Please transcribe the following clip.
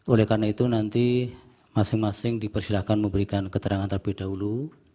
oleh karena itu nanti masing masing dipersilahkan memberikan keterangan terlebih dahulu